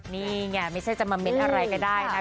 นี่ไงไม่ใช่จะมาเม้นอะไรก็ได้นะคะ